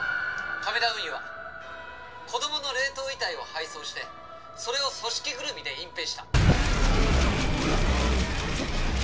亀田運輸は子供の冷凍遺体を配送してそれを組織ぐるみで隠蔽した。